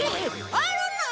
あるの！？